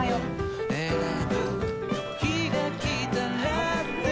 選ぶ日がきたらって